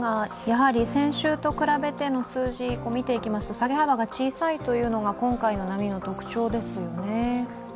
先週と比べての数字を見ていきますと下げ幅が小さいというのが今回の波の特徴ですよね。